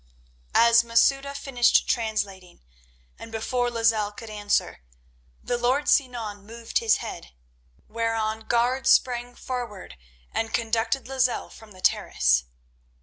As Masouda finished translating, and before Lozelle could answer, the lord Sinan moved his head, whereon guards sprang forward and conducted Lozelle from the terrace.